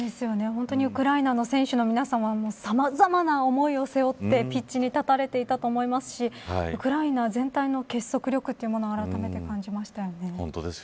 本当にウクライナ選手の皆さんはさまざまな思いを背負ってピッチに立たれていたと思いますしウクライナ全体の結束力をあらためて感じましたね。